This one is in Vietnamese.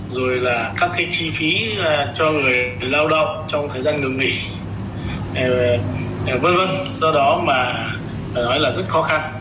rồi là các cái chi phí cho người lao động trong thời gian ngừng nghỉ vân vân do đó mà phải nói là rất khó khăn